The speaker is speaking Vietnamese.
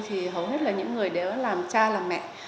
thì hầu hết là những người đều làm cha làm mẹ